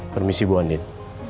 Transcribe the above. permisi bu andin